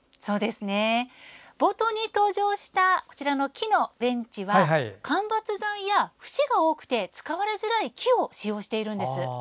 冒頭に登場した木のベンチは間伐材や節が多くて使われづらい木を使用しています。